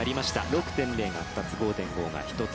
６．０が２つ、５．０が１つ。